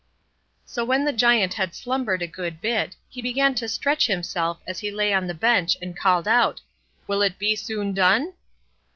So when the Giant had slumbered a good bit, he began to stretch himself as he lay on the bench and called out, "Will it be soon done?"